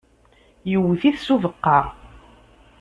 Yewwet-it s ubeqqa.